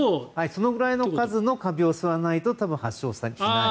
そのくらいの数のカビを吸わないと発症しない。